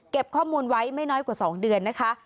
ข้อมูลไว้ไม่น้อยกว่า๒เดือนนะคะ